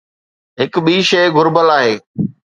هڪ ٻي شيءِ گهربل آهي.